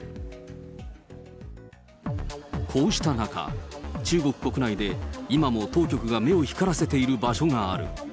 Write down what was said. こうした中、中国国内で今も当局が目を光らせている場所がある。